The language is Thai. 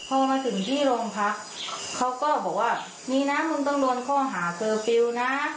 พอมาถึงที่โรงพักเขาก็บอกว่ามีนะมึงต้องโดนข้อหาเคอร์ฟิลล์นะ